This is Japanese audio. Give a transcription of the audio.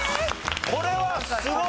これはすごい！